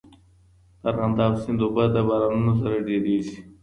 د ارغنداب سیند اوبه د بارانونو سره ډېریږي.